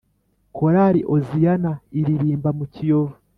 Korali oziyana iririmba mu kiyovu